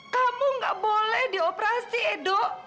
kamu nggak boleh dioperasi edo